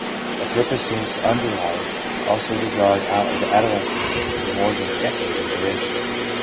A purpose seems to underlie also the drawing out of adolescence to more than a decade in duration.